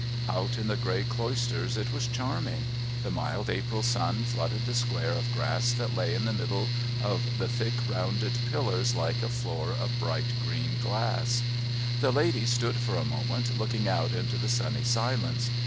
Out in the grey Cloisters it was charming. The mild April sun flooded the square of grass that lay in the middle of the thick rounded pillars like a floor of bright green glass. The ladies stood for a moment looking out into the sunny silence.